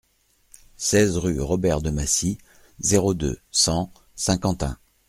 seize rue Robert de Massy, zéro deux, cent Saint-Quentin